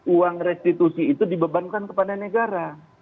uang restitusi itu dibebankan kepada negara